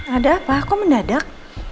ada apa kok mendadak